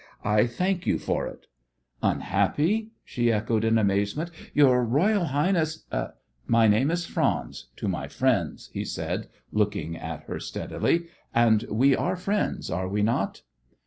I thank you for it." "Unhappy?" she echoed in amazement. "Your Royal Highness " "My name is Franz to my friends," he said, looking at her steadily, "and we are friends, are we not?"